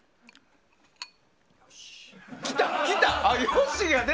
よし。